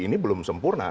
ini belum sempurna